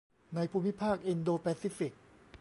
ในภูมิภาคอินโดแปซิฟิก